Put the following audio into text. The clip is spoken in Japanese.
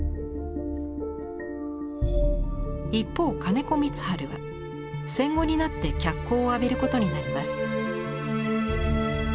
一方金子光晴は戦後になって脚光を浴びることになります。